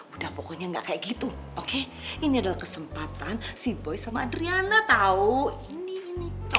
udah pokoknya gak kayak gitu oke ini adalah kesempatan si boy sama adriana tau ini ini cocok